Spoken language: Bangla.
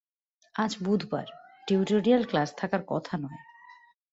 আজ বুধবার, টিউটোরিয়েল ক্লাস থাকার কথা নয়।